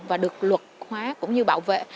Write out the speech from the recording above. và được luật hóa cũng như bảo vệ